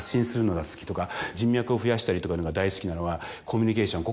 人脈を増やしたりとかいうのが大好きなのはコミュニケーション。